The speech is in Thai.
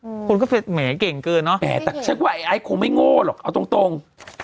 อืมคนก็แหมเก่งเกินเนอะแต่ฉันควรไอโฟนคงไม่โง่หรอกเอาตรง